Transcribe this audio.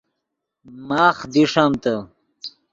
ماخ دیݰمتے